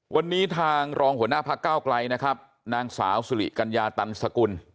วันนี้ทางรองหัวหน้าพักเก้าไกลนะครับนางสาวสุริกัญญาตันสกุล